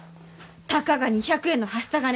たかが２００円のはした金